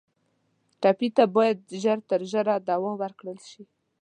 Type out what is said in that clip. ټپي ته باید ژر تر ژره دوا ورکړل شي.